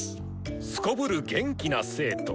すこぶる元気な生徒。